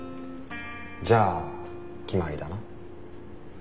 じゃあ決まりだな。